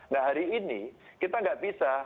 nah hari ini kita nggak bisa